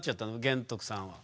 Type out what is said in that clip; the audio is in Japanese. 玄徳さんは。